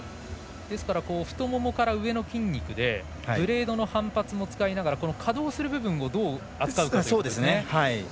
太ももから上の筋肉でブレードの反発も使いながら稼働する部分をどう扱うかですね。